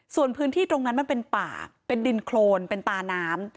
ส่วนพื้นที่ตรงนั้นมันเป็นป่าเป็นดินโครนเป็นตาน้ำ